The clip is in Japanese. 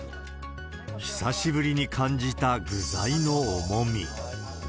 久しぶりに感じた具材の重み。